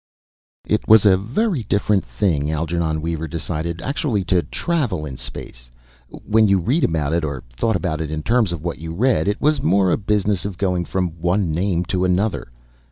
It was a very different thing, Algernon Weaver decided, actually to travel in space. When you read about it, or thought about it in terms of what you read, it was more a business of going from one name to another.